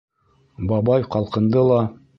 Бабай ҡалҡынды ла: